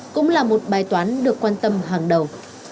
cũng là một bài toán được quan tâm hàng đầu